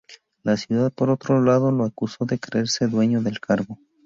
La ciudad, por otro lado, lo acusó de creerse dueño del cargo.